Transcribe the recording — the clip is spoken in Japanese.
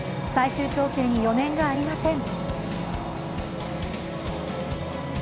最終調整に余念がありません。